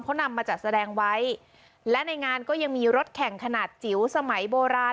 เขานำมาจัดแสดงไว้และในงานก็ยังมีรถแข่งขนาดจิ๋วสมัยโบราณ